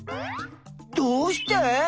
どうして？